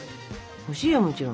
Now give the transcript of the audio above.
欲しいよもちろん。